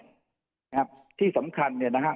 นะครับที่สำคัญเนี่ยนะฮะ